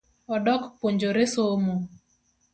Odok puonjore somo